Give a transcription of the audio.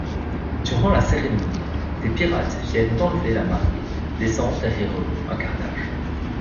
Durant la cérémonie, des pirates viennent enlever la mariée, laissant derrière eux un carnage.